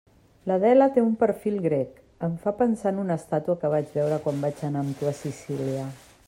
L'Adela té un perfil grec, em fa pensar en una estàtua que vaig veure quan vaig anar amb tu a Sicília.